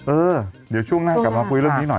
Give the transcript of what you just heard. เออเดี๋ยวช่วงหน้ากลับมาคุยเรื่องนี้หน่อย